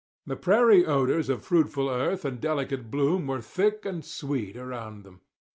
The prairie odours of fruitful earth and delicate bloom were thick and sweet around them.